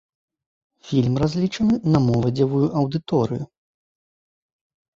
Фільм разлічаны на моладзевую аўдыторыю.